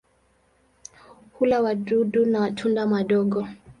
Hula wadudu na tunda madogo.